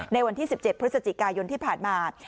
ในวันที่๑๗พฤศจิกายนที่ผ่านมา